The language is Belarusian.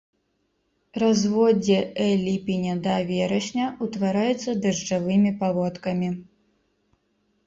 Разводдзе э ліпеня да верасня, утвараецца дажджавымі паводкамі.